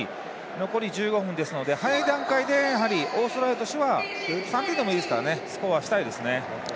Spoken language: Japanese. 残り１５分ですので、早い展開でオーストラリアとしては３点でもいいですからスコアしたいですね。